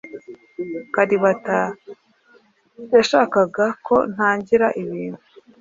Kalibata yashakaga ko ntangira ibintu.